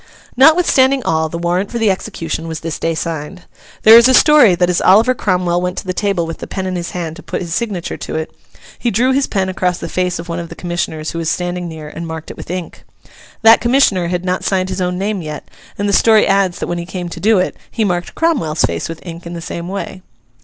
Notwithstanding all, the warrant for the execution was this day signed. There is a story that as Oliver Cromwell went to the table with the pen in his hand to put his signature to it, he drew his pen across the face of one of the commissioners, who was standing near, and marked it with ink. That commissioner had not signed his own name yet, and the story adds that when he came to do it he marked Cromwell's face with ink in the same way.